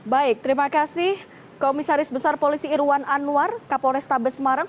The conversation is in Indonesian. baik terima kasih komisaris besar polisi irwan anwar kapolres tabes semarang